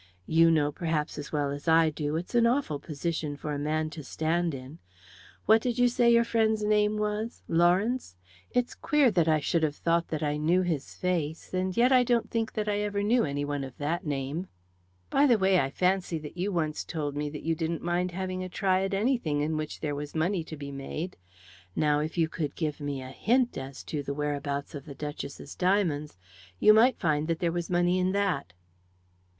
You know, perhaps as well as I do, it's an awful position for a man to stand in. What did you say your friend's name was Lawrence? It's queer that I should have thought that I knew his face, and yet I don't think that I ever knew any one of that name. By the way, I fancy that you once told me that you didn't mind having a try at anything in which there was money to be made. Now, if you could give me a hint as to the whereabouts of the Duchess's diamonds, you might find that there was money in that."